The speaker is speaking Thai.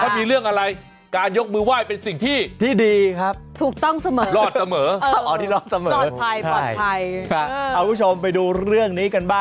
แต่อยู่ในความรักอยู่แล้ว